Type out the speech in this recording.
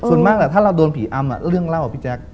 ส่วนมากถ้าเราโดนผีอำเรื่องเล่าพี่แจ๊ค